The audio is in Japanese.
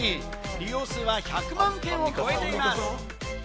利用数は１００万件を超えています。